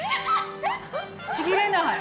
ちぎれない！